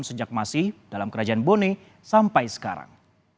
sejak masih dalam kerajaan bone sampai sekarang